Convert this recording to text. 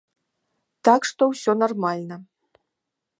Так што ўсё нармальна!